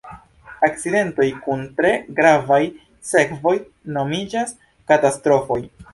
Akcidentoj kun tre gravaj sekvoj nomiĝas katastrofoj.